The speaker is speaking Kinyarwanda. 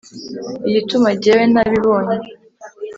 igituma jyewe ntabibonye